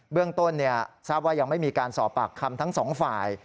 เรื่องต้นทราบว่ายังไม่มีการสอบปากคำทั้งสองฝ่าย